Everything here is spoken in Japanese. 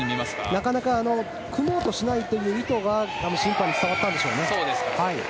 なかなか組もうとしないという意図が審判に伝わったんでしょうね。